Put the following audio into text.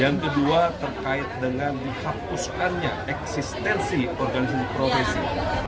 yang kedua terkait dengan dihapuskannya eksistensi organisasi profesi